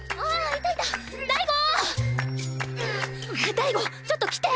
大吾ちょっと来て！